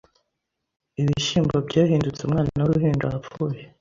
ibishyimbo byahindutse umwana w'uruhinja wapfuye